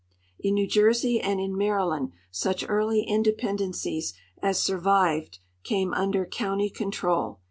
In New Jersey and in ^Maryland such early independencies as survived came under county control.